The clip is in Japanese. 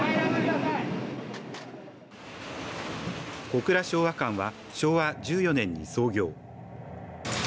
小倉昭和館は昭和１４年に創業。